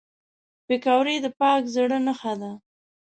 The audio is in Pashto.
پکورې د پاک زړه نښه ده